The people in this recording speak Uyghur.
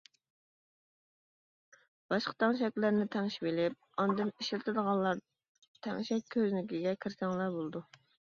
باشقا تەڭشەكلەرنى تەڭشىۋېلىپ ئاندىن ئىشلىتىدىغانلار تەڭشەك كۆزنىكىگە كىرسەڭلار بولىدۇ.